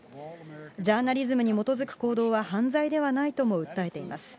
ジャーナリズムに基づく行動は犯罪ではないとも訴えています。